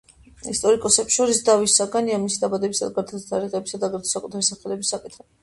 ისტორიკოსებს შორის დავის საგანია მისი დაბადებისა და გარდაცვალების თარიღების და აგრეთვე საკუთარი სახელის საკითხი.